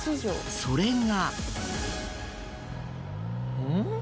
それが。